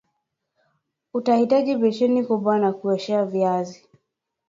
Utahitaji beseni kubwa la kuoshea viazi